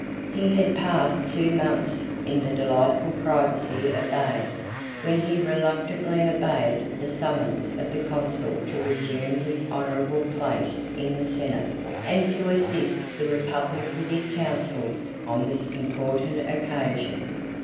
He had passed two months in the delightful privacy of Baiæ, when he reluctantly obeyed the summons of the consul to resume his honorable place in the senate, and to assist the republic with his counsels on this important occasion.